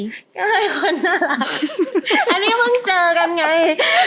ใช่คนน่ารักอันนี้เพิ่งเจอกันไง